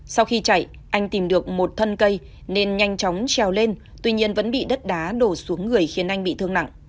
sau khi chạy anh tìm được một thân cây nên nhanh chóng trèo lên tuy nhiên vẫn bị đất đá đổ xuống người khiến anh bị thương nặng